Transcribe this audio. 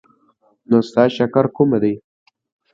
نو ستا شکر کومه دی؟